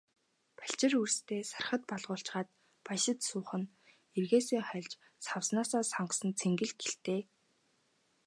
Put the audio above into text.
Балчир үрстээ сархад балгуулчхаад баясаж суух нь эргээсээ хальж, савнаасаа сагасан цэнгэл гэлтэй.